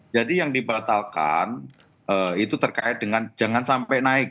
jadi yang dibatalkan itu terkait dengan jangan sampai naik